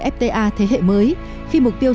fta thế hệ mới khi mục tiêu